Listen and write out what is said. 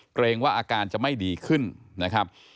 เกรงว่าอาการจะไม่ดีขึ้นนะครับ